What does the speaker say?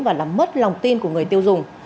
và làm mất lòng tin của người tiêu dùng